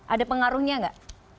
ada pengaruhnya nggak